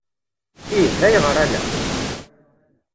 Ih, ayɣer ala?